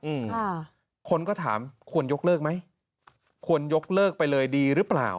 อืมค่ะคนก็ถามควรยกเลิกไหมควรยกเลิกไปเลยดีหรือเปล่า